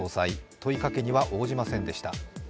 問いかけには応じませんでした。